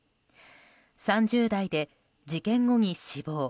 ３０代で、事件後に死亡。